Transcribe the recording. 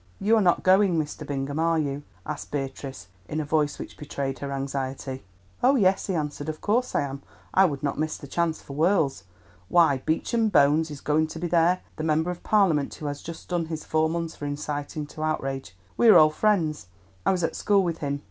"You are not going, Mr. Bingham, are you?" asked Beatrice in a voice which betrayed her anxiety. "Oh, yes," he answered, "of course I am. I would not miss the chance for worlds. Why, Beecham Bones is going to be there, the member of Parliament who has just done his four months for inciting to outrage. We are old friends; I was at school with him.